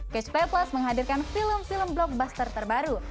catch play plus menghadirkan film film blockbuster terbaru